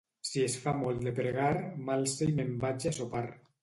Si es fa molt de pregar, m'alce i me'n vaig a sopar.